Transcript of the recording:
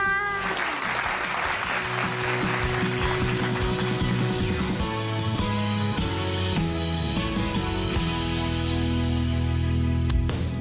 สวัสดีค่ะ